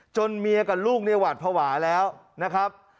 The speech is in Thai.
เมียกับลูกเนี่ยหวัดภาวะแล้วนะครับ